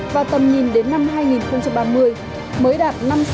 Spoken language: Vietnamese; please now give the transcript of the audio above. và tầm nhìn đến năm hai nghìn ba mươi mới đạt năm mươi sáu